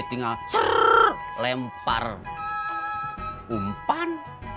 tinggal lempar umpan